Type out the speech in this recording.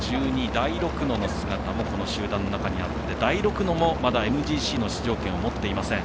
大六野の姿もこの集団の中にあって大六野もまだＭＧＣの出場権を持っていません。